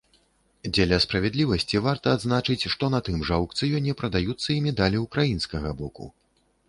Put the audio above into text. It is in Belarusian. Дзеля справядлівасці варта адзначыць, што на тым жа аўкцыёне прадаюцца і медалі ўкраінскага боку.